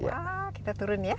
wah kita turun ya